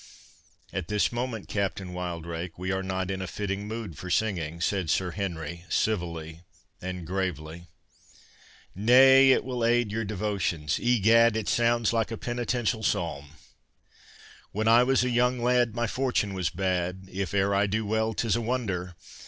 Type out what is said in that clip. "At this moment, Captain Wildrake, we are not in a fitting mood for singing," said Sir Henry, civilly and gravely. "Nay, it will aid your devotions—Egad, it sounds like a penitential psalm. 'When I was a young lad, My fortune was bad, If ere I do well 'tis a wonder.